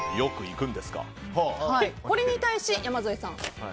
これに対し、山添さん。